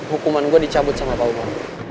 hukuman gue dicabut sama paul ma